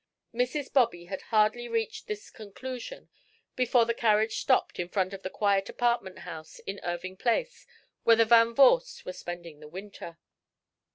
Mrs. Bobby had hardly reached this conclusion before the carriage stopped in front of the quiet apartment house in Irving Place where the Van Vorsts were spending the winter.